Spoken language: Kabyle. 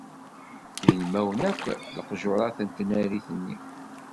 D ilmawen akk leqjurat n tnarit-nni.